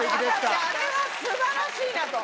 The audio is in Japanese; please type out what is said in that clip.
あれはすばらしいなと。